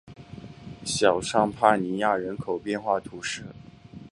小尚帕尼亚人口变化图示